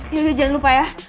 yaudah jangan lupa ya